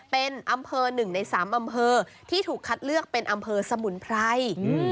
เป็นอำเภอ๑ใน๓อำเภอที่ถูกคัดเลือกเป็นอำเภอสมุนไพร